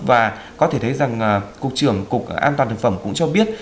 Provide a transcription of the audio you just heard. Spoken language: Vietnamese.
và có thể thấy rằng cục trưởng cục an toàn thực phẩm cũng cho biết